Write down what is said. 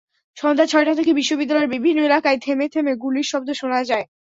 সন্ধ্যা ছয়টা থেকে বিশ্ববিদ্যালয়ের বিভিন্ন এলাকায় থেমে থেমে গুলির শব্দ শোনা যায়।